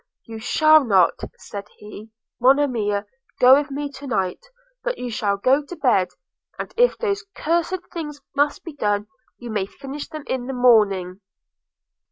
'You shall not,' said he, 'Monimia, go with me tonight, but you shall go to bed; and if those cursed things must be done, you may finish them in the morning.'